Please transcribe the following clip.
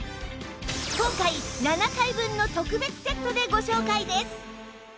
今回７回分の特別セットでご紹介です！